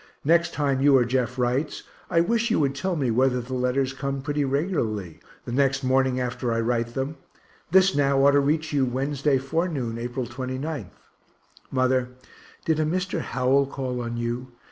Next time you or Jeff writes, I wish you would tell me whether the letters come pretty regularly, the next morning after I write them this now ought to reach you Wednesday forenoon, April 29th. Mother, did a Mr. Howell call on you?